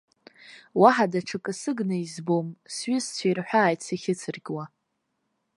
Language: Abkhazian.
Уаҳа даҽакы сыгны избом, сҩызцәа ирҳәааит сахьыцыркьуа.